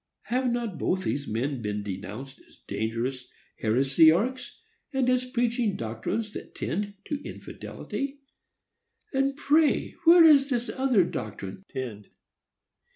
Have not both these men been denounced as dangerous heresiarchs, and as preaching doctrines that tend to infidelity? And pray where does this other doctrine tend?